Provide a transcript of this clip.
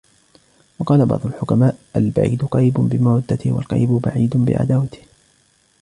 وَقَالَ بَعْضُ الْحُكَمَاءِ الْبَعِيدُ قَرِيبٌ بِمَوَدَّتِهِ ، وَالْقَرِيبُ بَعِيدٌ بِعَدَاوَتِهِ